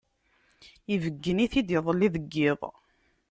ibeggen-it-id iḍelli deg yiḍ.